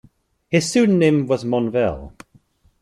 His pseudonym was Monvel.